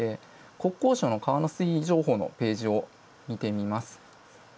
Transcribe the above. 国交省の川の水位情報のページを見てみます。